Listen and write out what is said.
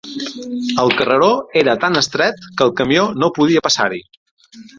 El carreró era tan estret, que el camió no podia passar-hi.